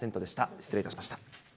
失礼いたしました。